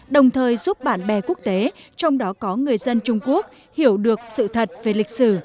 đồng thời giúp bạn bè quốc tế trong đó có người dân trung quốc hiểu được sự thật về lịch sử